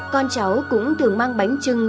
con cháu cũng thường mang bánh trưng